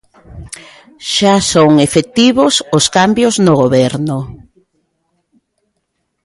Xa son efectivos os cambios no Goberno.